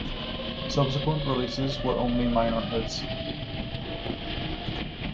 Subsequent releases were only minor hits.